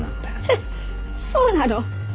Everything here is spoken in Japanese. えそうなの？